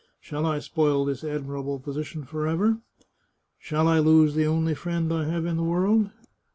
Shall I spoil this admirable posi tion forever? Shall I lose the only friend I have in the world?